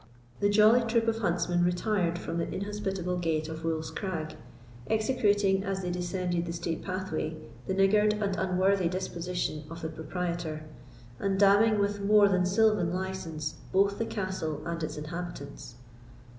The jolly troop of huntsmen retired from the inhospitable gate of Wolf's Crag, execrating, as they descended the steep pathway, the niggard and unworthy disposition of the proprietor, and damning, with more than silvan license, both the castle and its inhabitants.